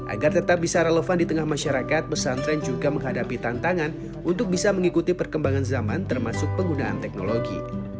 agar tetap bisa relevan di tengah masyarakat pesantren juga menghadapi tantangan untuk bisa mengikuti perkembangan zaman termasuk penggunaan teknologi